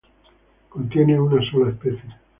Contiene una sola especie.